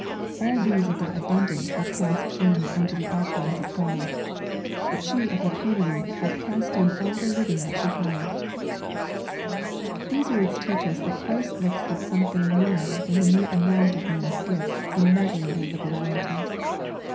All these of their abundance have cast in unto the offerings of God : but she of her penury hath cast in all the living that she had.'' These words teach lis that Christ looks at something more than the mere amount of men's gifts in measuring their liberality.